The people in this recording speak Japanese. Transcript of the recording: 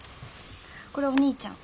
これお兄ちゃん。